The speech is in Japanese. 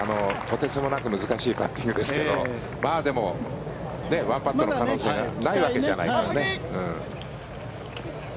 とてつもなく難しいパッティングですけどでも、１パットの可能性がないわけじゃないからね。